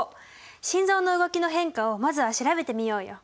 心臓の動きの変化をまずは調べてみようよ。